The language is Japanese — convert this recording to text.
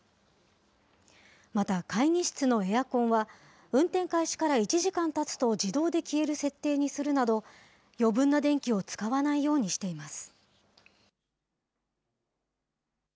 また、会議室のエアコンは運転開始から１時間たつと自動で消える設定にするなど、余分な電気を使わないようにしています。